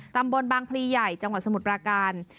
ตำบลบางพลีใหญ่จังหวัดสมุทรปราการ